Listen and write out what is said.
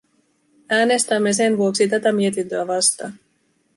Äänestämme sen vuoksi tätä mietintöä vastaan.